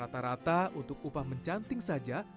tarata untuk upah mencanting saja